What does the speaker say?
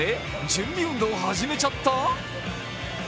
準備運動始めちゃった？